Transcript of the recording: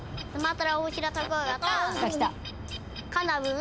カナブン。